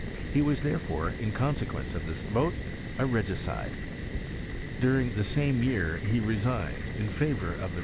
He wati>l therefore, in consequence of this vote, a regicide. ' During the same year he resigned, in favour of the.